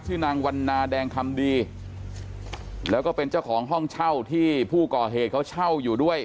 นางวันนาแดงคำดีแล้วก็เป็นเจ้าของห้องเช่าที่ผู้ก่อเหตุเขาเช่าอยู่ด้วย